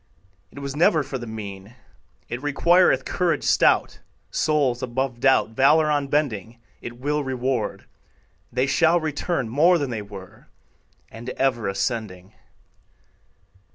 It was never for the mean; It requireth courage stout. Souls above doubt, Valor unbending, It will reward, They shall return More than they were, And ever ascending.